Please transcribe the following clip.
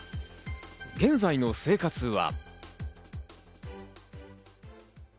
現在の生活は。